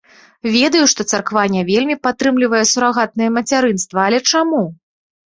Ведаю, што царква не вельмі падтрымлівае сурагатнае мацярынства, але чаму?